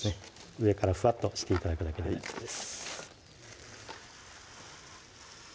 上からふわっとして頂くだけで大丈夫です